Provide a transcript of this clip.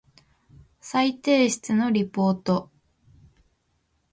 再提出のリポート